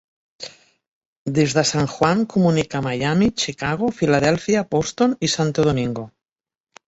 Des de San Juan comunica Miami, Chicago, Filadèlfia, Boston i Santo Domingo.